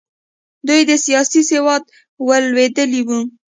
دوی د سیاست سودا ورلوېدلې وه.